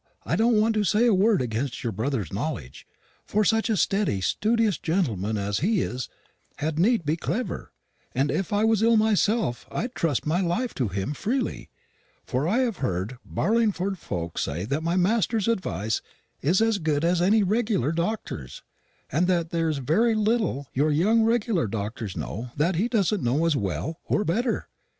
I don't want to say a word against your brother's knowledge, for such a steady studious gentleman as he is had need be clever; and if I was ill myself, I'd trust my life to him freely; for I have heard Barlingford folks say that my master's advice is as good as any regular doctor's, and that there's very little your regular doctors know that he doesn't know as well or better.